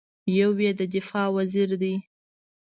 یو یې د دفاع وزیر دی.